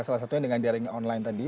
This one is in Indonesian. salah satunya dengan daring online tadi